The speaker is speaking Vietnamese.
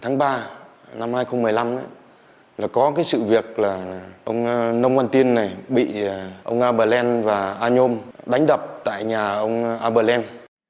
năm hai nghìn một mươi năm có sự việc ông nông văn tuyên bị ông a bờ lên và a nhôm đánh đập tại nhà ông a bờ lên